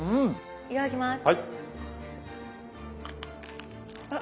いただきます。